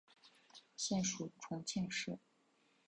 现属重庆市。